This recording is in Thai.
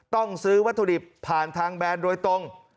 ต้องซื้อวัตถุดิบผ่านทางแบรนด์โดยตรง